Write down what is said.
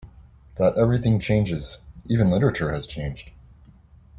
That everything changes, even literature has changed.